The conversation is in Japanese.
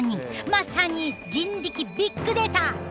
まさに人力ビッグデータ。